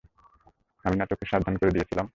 আমি না তোকে সাবধান করে দিয়েছিলাম?